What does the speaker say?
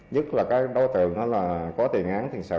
nhất là đối tượng có tiền án thiền sự